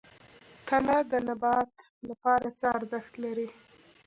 تنه د نبات لپاره څه ارزښت لري؟